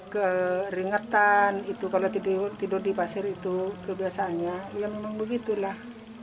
keringetan itu kalau tidur di pasir itu kebiasaannya ya memang begitulah